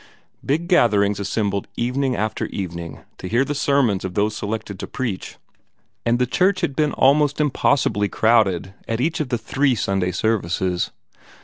Big gatherings assembled evening after evening to hear the sermons of those selected to preach, and the church had been almost impossibly crowded at each of the three Sunday services.